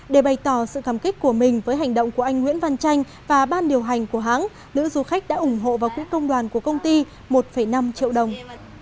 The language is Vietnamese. để bày tỏ sự cảm kích của mình với hành động của anh nguyễn văn tranh và ban điều hành của hãng nữ du khách đã ủng hộ vào quỹ công đoàn của công ty một năm triệu đồng